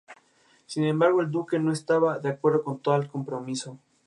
Sin embargo, el duque no estaba de acuerdo con tal compromiso.